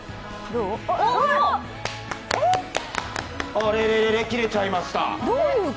あれれれれ、切れちゃいました。